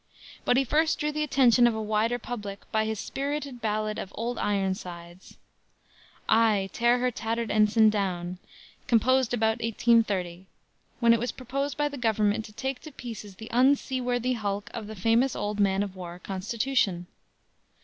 But he first drew the attention of a wider public by his spirited ballad of Old Ironsides "Ay! Tear her tattered ensign down!" composed about 1830, when it was proposed by the government to take to pieces the unseaworthy hulk of the famous old man of war, "Constitution."